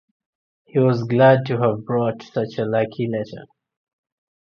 He was glad to have brought such a lucky letter.